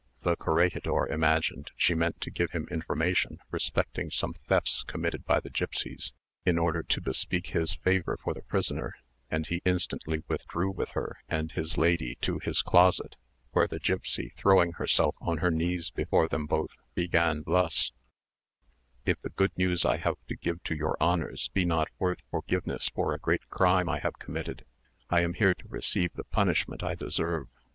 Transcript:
The corregidor imagined she meant to give him information respecting some thefts committed by the gipsies, in order to bespeak his favour for the prisoner, and he instantly withdrew with her and his lady to his closet, where the gipsy, throwing herself on her knees before them both, began thus: "If the good news I have to give to your honours be not worth forgiveness for a great crime I have committed, I am here to receive the punishment I deserve.